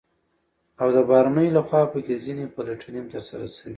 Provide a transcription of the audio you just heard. او د بهرنيانو لخوا په كې ځنې پلټنې هم ترسره شوې،